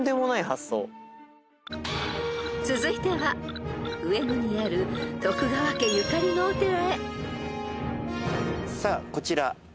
［続いては上野にある徳川家ゆかりのお寺へ］